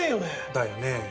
だよね。